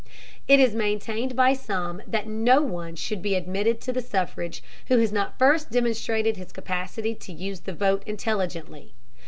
It is maintained by some that no one should be admitted to the suffrage who has not first demonstrated his capacity to use the vote intelligently.